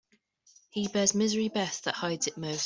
He bears misery best that hides it most.